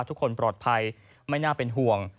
ทุกคนปลอดภัยไม่น่าเป็นห่วง